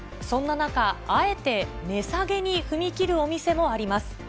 そんな中、あえて値下げに踏み切るお店もあります。